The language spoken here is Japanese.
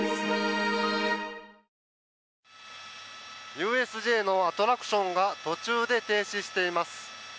ＵＳＪのアトラクションが途中で停止しています。